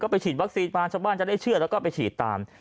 ไปฉีดวัคซีนมาชาวบ้านจะได้เชื่อแล้วก็ไปฉีดตาม